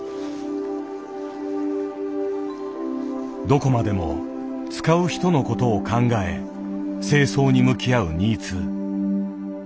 どこまでも使う人のことを考え清掃に向き合う新津。